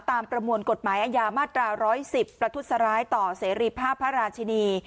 ประมวลกฎหมายอาญามาตรา๑๑๐ประทุษร้ายต่อเสรีภาพพระราชินี